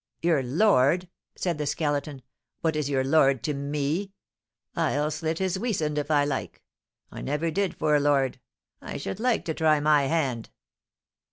"Your lord!" said the Skeleton; "what is your lord to me? I'll slit his weasand if I like! I never did for a lord; I should like to try my hand."